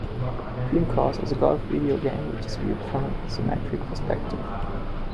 "Dream Course" is a golf video game which is viewed from an isometric perspective.